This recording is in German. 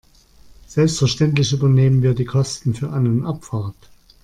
Selbstverständlich übernehmen wir die Kosten für An- und Abfahrt.